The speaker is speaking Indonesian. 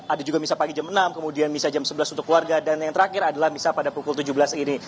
ada juga misal pagi jam enam kemudian misa jam sebelas untuk keluarga dan yang terakhir adalah misal pada pukul tujuh belas ini